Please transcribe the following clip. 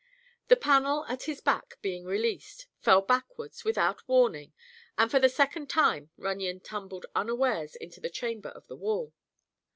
The panel, at his back, being released, fell backward without warning and for the second time Runyon tumbled unawares into the chamber of the wall.